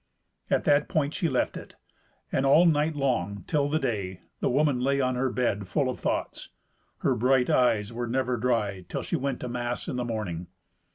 At that point she left it; and all night long, till the day, the woman lay on her bed full of thoughts. Her bright eyes were never dry till she went to mass in the morning.